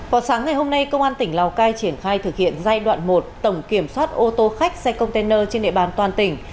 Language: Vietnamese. vào sáng ngày hôm nay công an tỉnh lào cai triển khai thực hiện giai đoạn một tổng kiểm soát ô tô khách xe container trên địa bàn toàn tỉnh